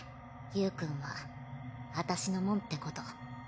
ゆーくんは私のもんってこと。